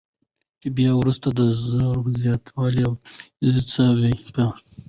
چې بیا وروسته د زور زیاتی او چنګیزي څپاو په